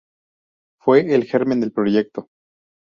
Fue el germen del proyecto.